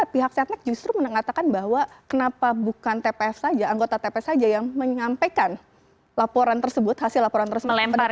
pihak senek tentu mengatakan bahwa kenapa bukan tpf saja anggota tpf saja yang menyampaikan laporan tersebut hasil laporan tersebutnya di publik